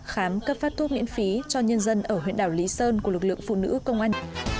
khám cấp phát thuốc miễn phí cho nhân dân ở huyện đảo lý sơn của lực lượng phụ nữ công an